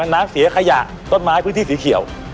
น้ำเสียขยะต้นไม้พื้นที่สีเขียว